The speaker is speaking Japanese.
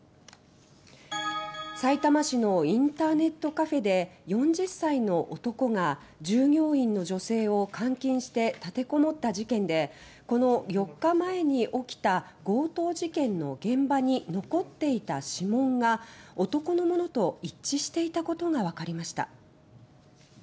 さいたま市のインターネットカフェで４０歳の男が従業員の女性を監禁して立てこもった事件でこの４日前に起きた強盗事件の現場に残っていた指紋が男のものと一致していたことが分かりました。